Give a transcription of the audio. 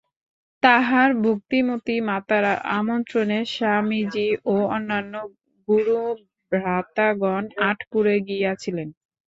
তাঁহার ভক্তিমতী মাতার আমন্ত্রণে স্বামীজী ও অন্যান্য গুরুভ্রাতাগণ আঁটপুরে গিয়াছিলেন।